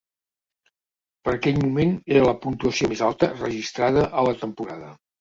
Per aquell moment era la puntuació més alta registrada a la temporada.